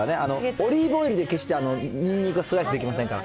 オリーブオイルで決してニンニクはスライスできませんから。